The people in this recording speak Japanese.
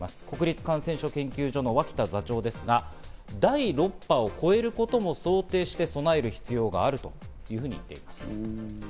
国立感染症研究所の脇田座長ですが第６波を超えることも想定して備える必要があるとこのように言っています。